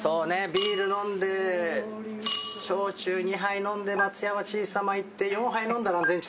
ビール飲んで焼酎２杯飲んで松山チーさまいって４杯飲んだら安全地帯。